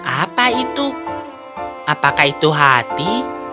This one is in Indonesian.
apa itu apakah itu hati